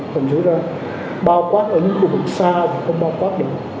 thành sự ra bao quát ở những khu vực xa thì không bao quát được